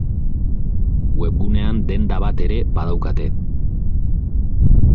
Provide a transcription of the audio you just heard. Webgunean denda bat ere badaukate.